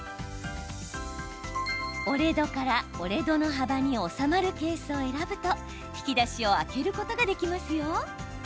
折れ戸から折れ戸の幅に収まるケースを選ぶと引き出しを開けることができますよ。